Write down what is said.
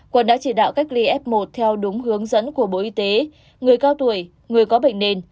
quận đã chỉ đạo cách ly f một theo đúng hướng dẫn của bộ y tế người cao tuổi người có bệnh nền